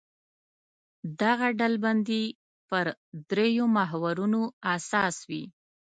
دغه ډلبندي پر درېیو محورونو اساس وي.